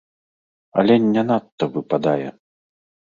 Але не надта выпадае.